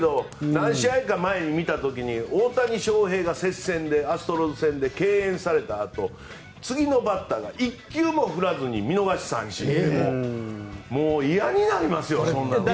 何試合か前に見た時に大谷翔平が接戦で、アストロズ戦で敬遠されたあと次のバッターが１球も振らずに見逃し三振ともう嫌になりますよ。